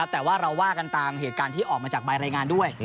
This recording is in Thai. แต่ว่าเราว่ากันตามเหตุการณ์ที่ออกมาจากใบรายงานด้วย